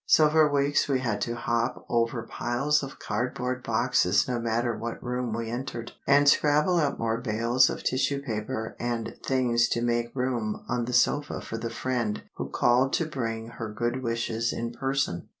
So for weeks we had to hop over piles of cardboard boxes no matter what room we entered, and scrabble up more bales of tissue paper and things to make room on the sofa for the friend who called to bring her good wishes in person.